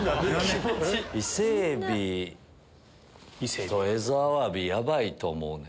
イセエビとエゾアワビヤバいと思うねん。